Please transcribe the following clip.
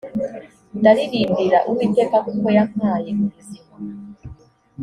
ndaririmbira uwiteka kuko yampaye ubuzima